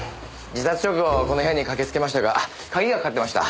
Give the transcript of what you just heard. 自殺直後この部屋に駆けつけましたが鍵がかかってました。